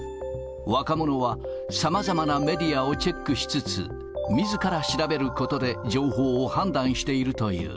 若者はさまざまなメディアをチェックしつつ、みずから調べることで情報を判断しているという。